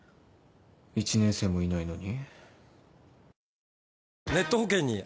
１年生もいないのに？